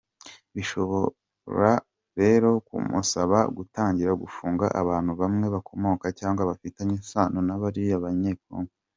Bishobora rero kumusaba gutangira gufunga abantu bamwe bakomoka cyangwa bafitanye isano na bariya banyekongo.